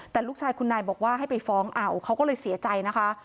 แต่ลูกชายคุณนายบอกว่าให้ไปฟ้องเอาเขาก็เลยเสียใจนะคะ